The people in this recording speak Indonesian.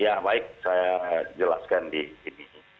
ya baik saya jelaskan di sini